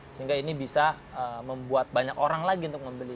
sehingga ini bisa membuat banyak orang lagi untuk membeli